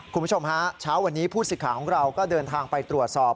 คุณผู้ชมฮะเช้าวันนี้ผู้สิทธิ์ของเราก็เดินทางไปตรวจสอบ